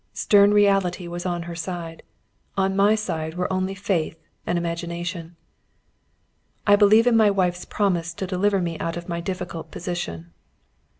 Stern reality was on her side; on my side were only faith and imagination. "I believe in my wife's promise to deliver me out of my difficult position."